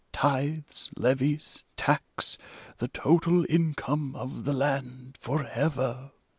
Tithes, leties, tax, — the total income of the land, Forever.